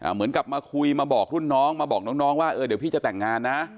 เหมือนกับมาคุยมาบอกรุ่นน้องมาบอกน้องว่าเดี๋ยวพี่จะแต่งงานนะ